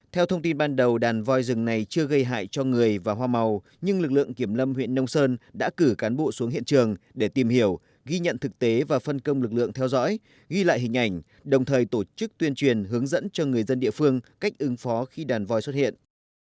theo thông tin ban đầu đàn voi rừng này chưa gây hại cho người và hoa màu nhưng lực lượng kiểm lâm huyện nông sơn đã cử cán bộ xuống hiện trường để tìm hiểu ghi nhận thực tế và phân công lực lượng theo dõi ghi lại hình ảnh đồng thời tổ chức tuyên truyền hướng dẫn cho người dân địa phương cách ứng phó khi đàn voi xuất hiện